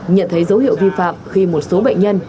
nhận thấy dấu hiệu vi phạm khi một số bệnh nhân